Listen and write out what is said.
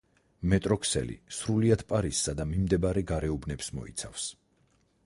მეტროქსელი სრულიად პარიზსა და მიმდებარე გარეუბნებს მოიცავს.